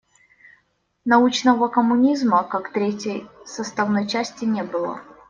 Научного коммунизма, как третьей составной части не было.